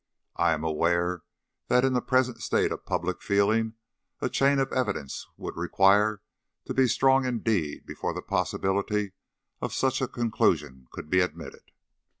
I am aware that in the present state of public feeling a chain of evidence would require to be strong indeed before the possibility of such a conclusion could be admitted.